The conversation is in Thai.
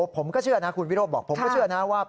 ผมก็เชื่อนะคุณวิโรธบอกผมก็เชื่อนะว่า